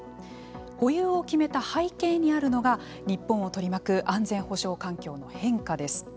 保有を決めた背景にあるのが日本を取り巻く安全保障環境の変化です。